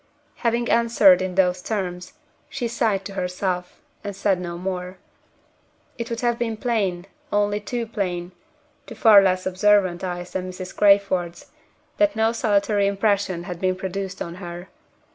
Having answered in those terms, she sighed to herself, and said no more. It would have been plain, only too plain, to far less observant eyes than Mrs. Crayford's that no salutary impression had been produced on her.